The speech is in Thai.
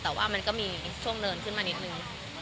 แต่ว่ามันก็มีช่วงเนินขึ้นมานิดนึง